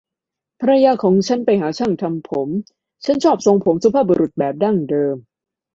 ภรรยาของฉันไปหาช่างทำผม ฉันชอบทรงผมสุภาพบุรุษแบบดั้งเดิม